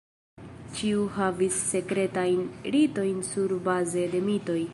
Ĉiu havis sekretajn ritojn surbaze de mitoj.